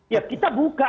ya kita buka